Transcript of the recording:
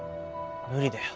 無理だよ